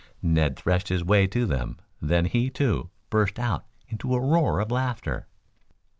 Ned threshed his way to them, then he, too, burst out into a roar of laughter.